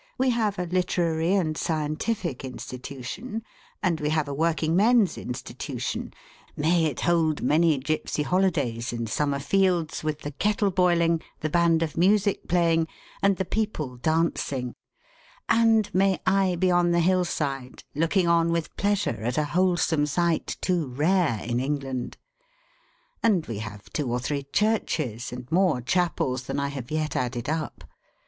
We have a Literary and Scientific Institution, and we have a Working Men's Institution—may it hold many gipsy holidays in summer fields, with the kettle boiling, the band of music playing, and the people dancing; and may I be on the hill side, looking on with pleasure at a wholesome sight too rare in England!—and we have two or three churches, and more chapels than I have yet added up.